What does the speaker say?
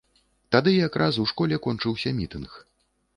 Тады якраз у школе кончыўся мітынг.